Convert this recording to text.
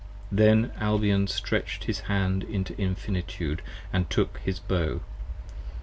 Then Albion stretch'd his hand into Infinitude, And took his Bow.